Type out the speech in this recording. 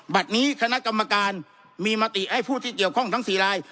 บัตรนี้คณะกรรมการมีมติให้ผู้ที่เกี่ยวข้องทั้ง๔ราย